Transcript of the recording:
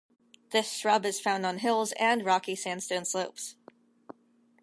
This shrub is found on hills and rocky sandstone slopes.